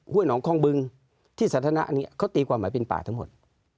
หนองคองบึงที่สาธารณะอันนี้เขาตีความหมายเป็นป่าทั้งหมด